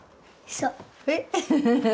そう。